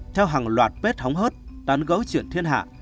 theo hàng loạt bếp hóng hớt tán gấu chuyển thiên hạ